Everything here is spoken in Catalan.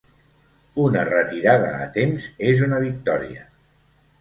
Una retirada a temps és una victòria.